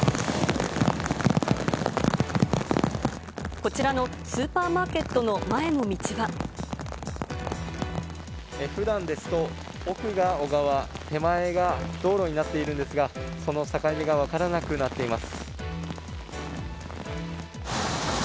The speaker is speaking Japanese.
こちらのスーパーマーケットの前ふだんですと、奥が小川、手前が道路になっているんですが、その境目が分からなくなっています。